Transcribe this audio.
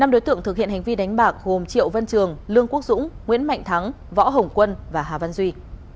năm đối tượng thực hiện hành vi đánh bạc gồm triệu văn trường lương quốc dũng nguyễn mạnh thắng võ hồng quân và hà văn duy